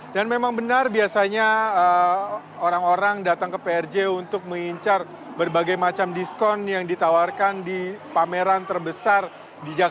dan memang benar biasanya orang orang datang ke prj untuk mengincar berbagai macam diskon yang ditawarkan di pameran terbesar di jakarta